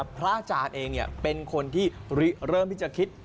พระอาจารย์เองเป็นคนที่เริ่มที่จะคิด